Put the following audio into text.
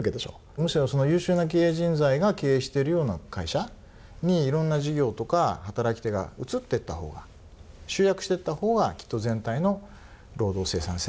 むしろ優秀な経営人材が経営してるような会社にいろんな事業とか働き手が移っていったほうが集約してったほうがきっと全体の労働生産性は上がります。